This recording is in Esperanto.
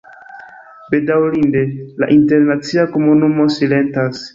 Bedaŭrinde, la internacia komunumo silentas.